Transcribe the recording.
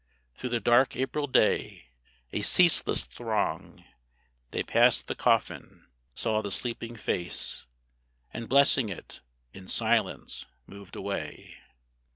Through the dark April day, a ceaseless throng, They pass'd the coffin, saw the sleeping face, And, blessing it, in silence moved away.